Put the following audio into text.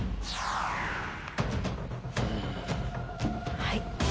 はい。